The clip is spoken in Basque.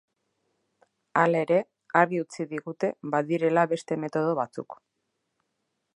Hala ere, argi utzi digute, badirela beste metodo batzuk.